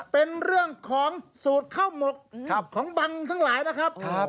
เป็นเรื่องของสูตรข้าวหมกของบังทั้งหลายนะครับ